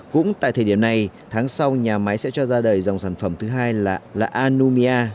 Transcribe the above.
cũng tại thời điểm này tháng sau nhà máy sẽ cho ra đời dòng sản phẩm thứ hai là anumia